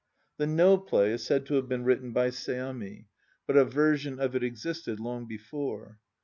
The No play is said to have been written by Seami, but a version of it existed long before.